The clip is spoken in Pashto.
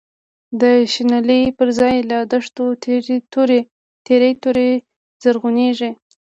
د شنلی پر ځای له دښتو، تیری توری زرغونیږی